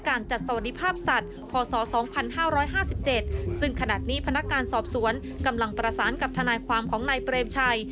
กับท่านายความของนายเปรมชัย